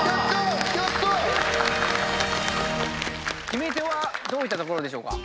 決め手はどういったところでしょうか？